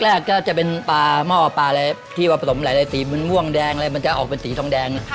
แรกก็จะเป็นปลาหม้อปลาอะไรที่มาผสมหลายสีมันม่วงแดงอะไรมันจะออกเป็นสีทองแดง